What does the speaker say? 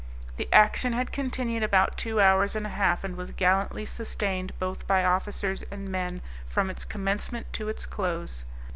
The action had continued about two hours and a half, and was gallantly sustained both by officers and men, from its commencement to its close.